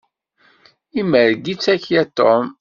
Imerreg-itt akya Tom.